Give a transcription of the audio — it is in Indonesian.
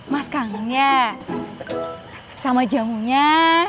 mas kangennya sama jamunya